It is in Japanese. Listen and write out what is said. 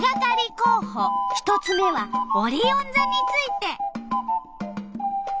こうほ１つ目はオリオンざについて。